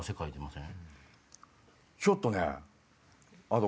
ちょっとねあの。